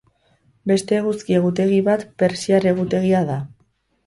Beste eguzki egutegi bat persiar egutegia da.